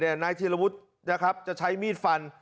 เพจนายเทียมละวุฒิจะใช้มีดฟัน